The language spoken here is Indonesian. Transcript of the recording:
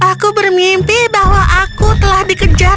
aku bermimpi bahwa aku telah dikejar